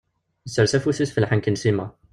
Yessers afus-is ɣef lḥenk n Sima.